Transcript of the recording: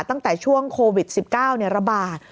ตั้งแต่ช่วงโควิด๑๙ระบาด